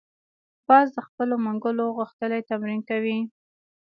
باز د خپلو منګولو غښتلي تمرین کوي